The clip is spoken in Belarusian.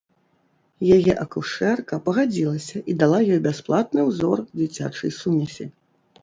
Яе акушэрка пагадзілася і дала ёй бясплатны ўзор дзіцячай сумесі.